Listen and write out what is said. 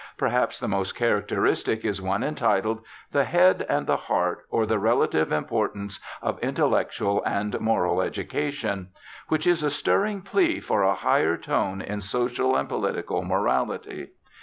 Perhaps the most characteristic is one entitled. The Head and the Heart, or the Relative importance of Intellectual and Moral Edu cation, which is a stirring plea for a higher tone in social and political morality.